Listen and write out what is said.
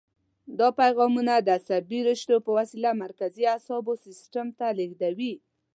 دا پیغامونه د عصبي رشتو په وسیله مرکزي اعصابو سیستم ته لېږدوي.